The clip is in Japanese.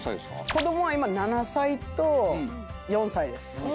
子供は今７歳と４歳です。